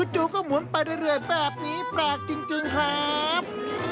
จู่ก็หมุนไปเรื่อยแบบนี้แปลกจริงครับ